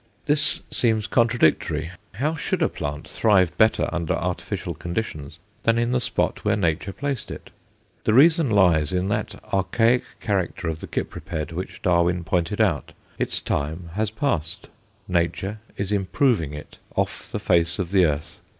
This seems contradictory. How should a plant thrive better under artificial conditions than in the spot where Nature placed it? The reason lies in that archaic character of the Cypriped which Darwin pointed out. Its time has passed Nature is improving it off the face of the earth.